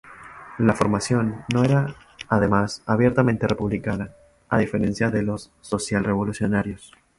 La formación no era, además, abiertamente republicana, a diferencia de los socialrevolucionarios.